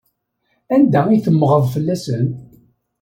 Anda ay temmɣeḍ fell-asen?